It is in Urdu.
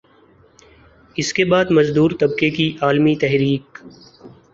اسکے بعد مزدور طبقے کی عالمی تحریک